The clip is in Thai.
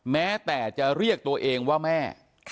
แม้แต่จะเรียกตัวเองว่าแม่